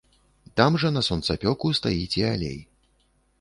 Там жа на сонцапёку стаіць і алей.